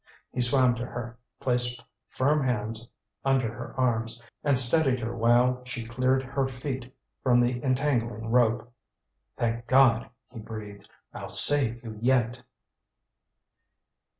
He swam to her, placed firm hands under her arms, and steadied her while she cleared her feet from the entangling rope. "Thank God!" he breathed. "I'll save you yet!"